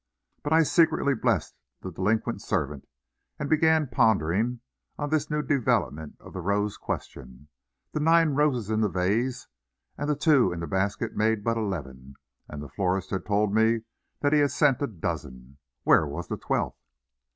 But I secretly blessed the delinquent servant, and began pondering on this new development of the rose question. The nine roses in the vase and the two in the basket made but eleven, and the florist had told me that he had sent a dozen. Where was the twelfth?